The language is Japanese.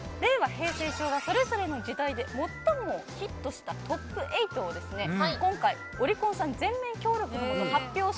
平成昭和それぞれの時代で最もヒットしたトップ８を今回オリコンさん全面協力の下発表します。